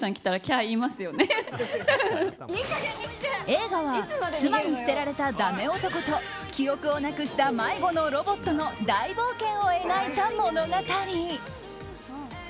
映画は妻に捨てられただめ男と記憶をなくした迷子のロボットの大冒険を描いた物語。